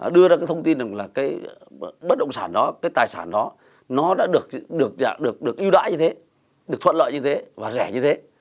đưa ra thông tin là cái bất động sản đó cái tài sản đó nó đã được yêu đáy như thế được thuận lợi như thế và rẻ như thế